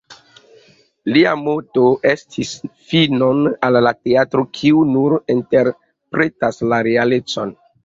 Lia moto estis: "„Finon al la teatro, kiu nur interpretas la realecon!